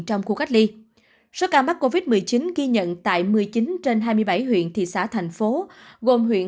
trong khu cách ly số ca mắc covid một mươi chín ghi nhận tại một mươi chín trên hai mươi bảy huyện thị xã thành phố gồm huyện